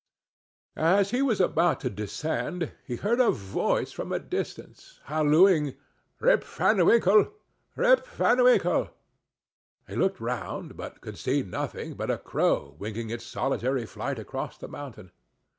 [Pg 8] As he was about to descend, he heard a voice from a distance, hallooing, "Rip Van Winkle! Rip Van Winkle!" He looked round, but could see nothing but a crow winging its solitary flight across the mountain.